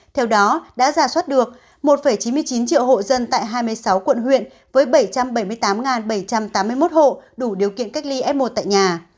theo đó đã giả soát được một chín mươi chín triệu hộ dân tại hai mươi sáu quận huyện với bảy trăm bảy mươi tám bảy trăm tám mươi một hộ đủ điều kiện cách ly f một tại nhà